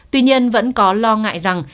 tuy nhiên vẫn có lo ngại rằng